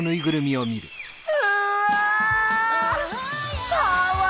うわ！